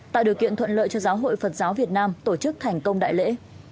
tạo điều kiện thuận lợi cho giáo hội phật giáo việt nam tổ chức thành công đại lễ